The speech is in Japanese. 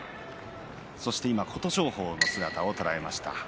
琴勝峰の姿を捉えました。